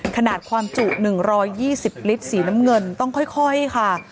ขนาดความจุ๑๒๐ลิตรสีน้ำเงินต้องค่อยค่ะ